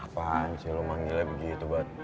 apaan sih lo manggilnya begitu bud